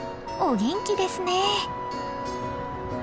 お元気ですね。